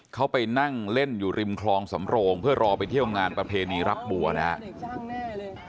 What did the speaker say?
เขาไปนั่งเล่นอยู่ริมคลองสำโรงเพื่อรอไปเที่ยวงานประเพณีรับบัวนะครับ